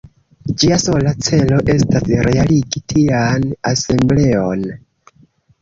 Ĝia sola celo estas realigi tian asembleon.